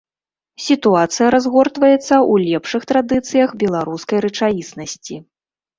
Сітуацыя разгортваецца ў лепшых традыцыях беларускай рэчаіснасці.